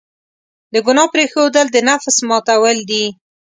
د ګناه پرېښودل، د نفس ماتول دي.